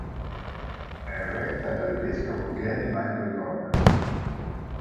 È retta dal vescovo Gary Michael Gordon.